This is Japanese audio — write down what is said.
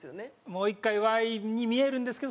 もう１回「Ｙ」に見えるんですけど